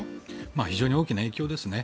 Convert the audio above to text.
非常に大きな影響ですね。